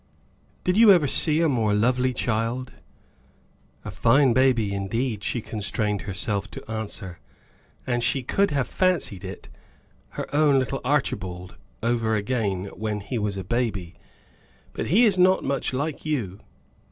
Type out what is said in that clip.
"Did you ever see a more lovely child?" "A fine baby, indeed," she constrained herself to answer; and she could have fancied it her own little Archibald over again when he was a baby. "But he is not much like you."